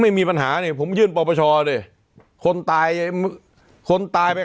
ไม่มีปัญหาเนี่ยผมยื่นประชาติด้วย